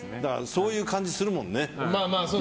そういう感じするもんね。